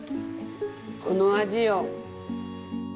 この味よ。